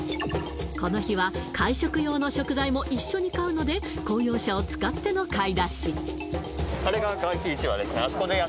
この日は会食用の食材も一緒に買うので公用車を使っての買い出し